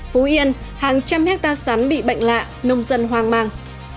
phú yên hàng trăm hectare sắn bị bệnh lạ nông dân hoang mang